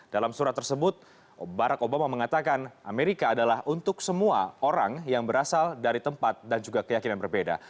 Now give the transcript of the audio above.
dalam surat tersebut barack obama mengatakan amerika adalah untuk semua orang yang berasal dari tempat dan juga keyakinan berbeda